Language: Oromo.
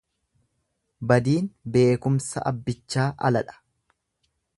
Badiin beekumsa abbichaa aladha.